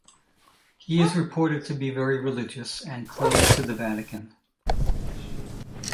He is reported to be very religious, and close to the Vatican.